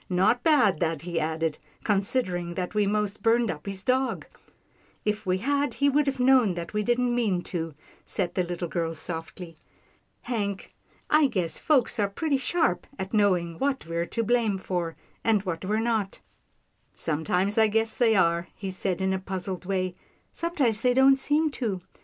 " Not bad, that," he added, " considering that we most burnt up his dog." 264 'TILDA JANE'S ORPHANS "If we had, he would have known that we didn't mean to," said the Httle girl softly. Hank, I guess folks are pretty sharp at knowing what we're to blame for, and what we're not." " Sometimes I guess they are," he said in a puzzled way, " sometimes they don't seem to.